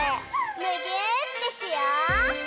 むぎゅーってしよう！